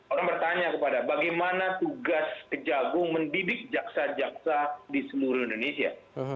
orang bertanya kepada bagaimana tugas kejagung mendidik jaksa jaksa di seluruh indonesia